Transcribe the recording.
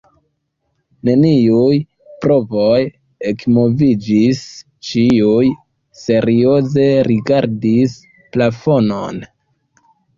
Neniuj brovoj ekmoviĝis, ĉiuj serioze rigardis plafonon.